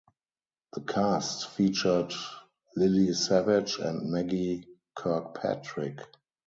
The cast featured Lily Savage and Maggie Kirkpatrick.